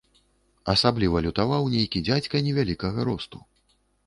Асабліва лютаваў нейкі дзядзька невялікага росту.